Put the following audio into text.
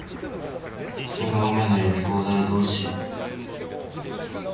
「二浪目の予備校代どうしよう」